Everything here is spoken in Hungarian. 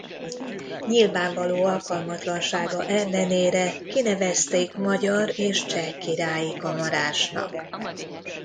Nyilvánvaló alkalmatlansága ellenére kinevezték magyar és cseh királyi kamarásnak.